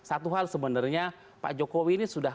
ini yang saya pengirikan